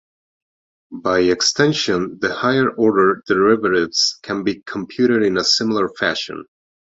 By extension, the higher order derivatives can be computed in a similar fashion.